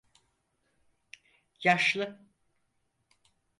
Yaşlı…